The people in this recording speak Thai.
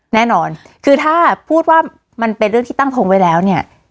แน่นอนคือถ้าพูดว่ามันเป็นเรื่องที่ตั้งทงไว้แล้วเนี่ย